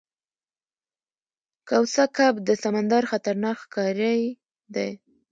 کوسه کب د سمندر خطرناک ښکاری دی